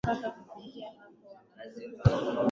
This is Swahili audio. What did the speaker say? mjerumani heinrich hertz alitagundua mawimbi ya sumakuumeme